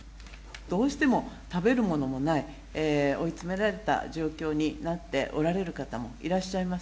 どうしても食べるものもない、追い詰められた状況になっておられる方もいらっしゃいます。